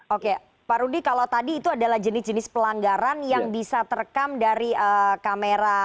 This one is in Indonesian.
oke pak rudy kalau tadi itu adalah jenis jenis pelanggaran yang bisa terekam dari kamera